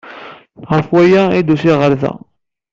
Ɣef waya ay d-usiɣ ɣer da.